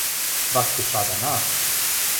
Was geschah danach?